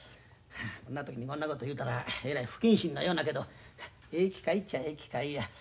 こんな時にこんなこと言うたらえらい不謹慎なようなけどええ機会っちゃええ機会や。